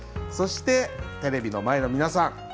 そしてテレビの前の皆さん